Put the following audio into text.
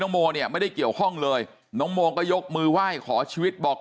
โมเนี่ยไม่ได้เกี่ยวข้องเลยน้องโมก็ยกมือไหว้ขอชีวิตบอก